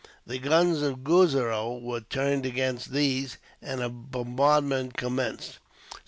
The guns of Guzarow were turned against these, and a bombardment commenced.